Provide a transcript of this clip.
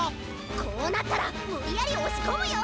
こうなったらむりやりおしこむよ！